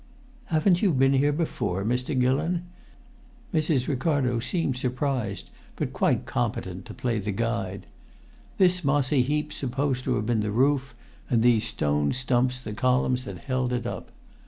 "Haven't you been here before, Mr. Gillon?" Mrs. Ricardo seemed surprised, but quite competent to play the guide. "This mossy heap's supposed to have been the roof, and these stone stumps the columns that held it up.